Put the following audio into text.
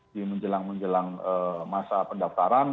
di menjelang menjelang masa pendaftaran